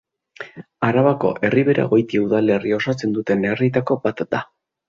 Arabako Erriberagoitia udalerria osatzen duten herrietako bat da.